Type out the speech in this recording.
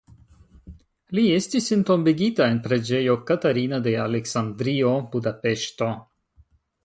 Li estis entombigita en Preĝejo Katarina de Aleksandrio (Budapeŝto).